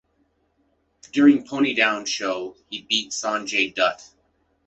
During Ponydown Show, he beat Sonjay Dutt.